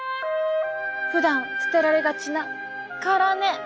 ふだん捨てられがちな辛根。